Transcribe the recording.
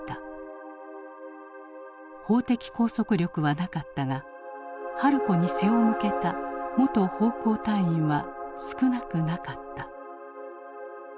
法的拘束力はなかったが春子に背を向けた元奉公隊員は少なくなかった。